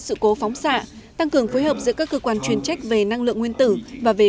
sự cố phóng xạ tăng cường phối hợp giữa các cơ quan chuyên trách về năng lượng nguyên tử và về